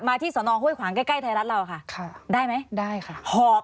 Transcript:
อ้าวเดี๋ยวถามหวากับผมเลยครับไม่เป็นไรครับ